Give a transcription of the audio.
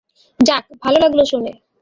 যাক, ভালো লাগল শুনে।